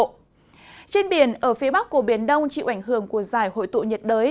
trên biển ở phía bắc của biển đông chịu ảnh hưởng của giải hội tụ nhiệt đới